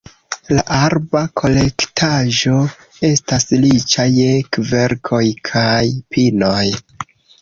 La arba kolektaĵo estas riĉa je kverkoj kaj pinoj.